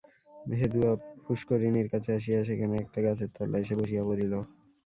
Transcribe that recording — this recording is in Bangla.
হেদুয়া পুষ্করিণীর কাছে আসিয়া সেখানে একটা গাছের তলায় সে বসিয়া পড়িল।